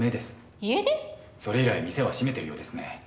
それ以来店は閉めてるようですね。